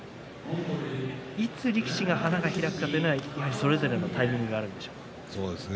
いつ力士の花が開くのかはそれぞれのタイミングがあるんでしょうね。